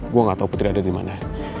goe gak tau putri ada dimana